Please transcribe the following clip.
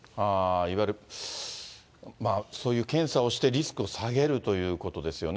いわゆるそういう検査をして、リスクを下げるということですよね。